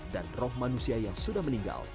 dan roh manusia yang sudah meninggal